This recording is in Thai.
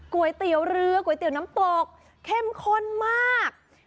ก๋วยเตี๋ยวเรือก๋วยเตี๋ยวน้ำตกเข้มข้นมาก